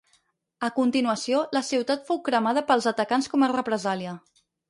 A continuació, la ciutat fou cremada pels atacants com a represàlia.